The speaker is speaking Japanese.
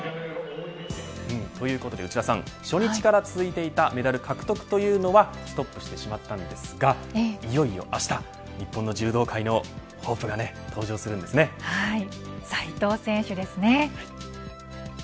ということで初日から続いていたメダル獲得というのはストップしてしまいましたがいよいよあした日本の柔道界の斉藤選手ですね。